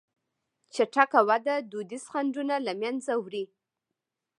چټکه وده دودیز خنډونه له منځه وړي.